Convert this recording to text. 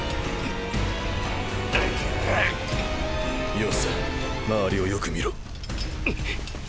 よせ周りをよく見ろ。